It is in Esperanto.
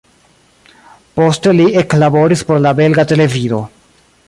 Poste li eklaboris por la belga televido.